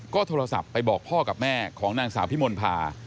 ก็โทรศัพท์ไปบอกพ่อกับแม่ของนางสาวพิมลภา